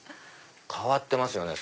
変わってますよね。